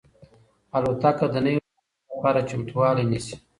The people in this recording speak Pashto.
الوتکه د نوي پرواز لپاره چمتووالی نیسي.